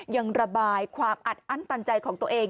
ยังระบายความอัดอั้นตันใจของตัวเอง